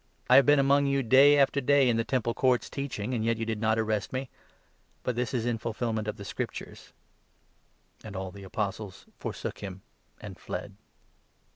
I have been among you day after 49 day in the Temple Courts teaching, and yet you did not arrest me ; but this is in fulfilment of the Scriptures." And all the. Apostles forsook him, and fled.